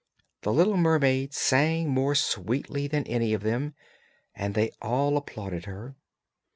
The little mermaid sang more sweetly than any of them, and they all applauded her.